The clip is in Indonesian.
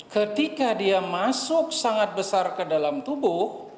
ketika dia masuk sangat besar ke dalam tubuh